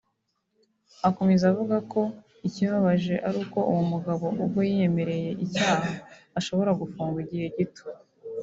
" Akomeza avuga ko ikibabaje ari uko uwo mugabo ubwo yiyemereye icyaha ashobora gufungwa igihe gito